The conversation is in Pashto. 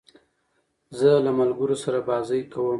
زه له ملګرو سره بازۍ کوم.